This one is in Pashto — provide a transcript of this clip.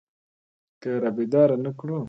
که يې رابيدارې نه کړو.